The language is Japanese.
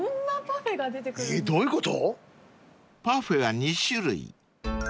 ［パフェは２種類］